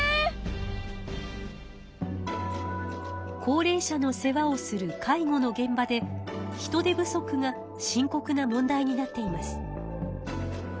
高齢者の世話をする介護の現場で人手不足が深こくな問題になっています。